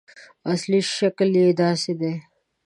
اصلي شکل یې داسې دی.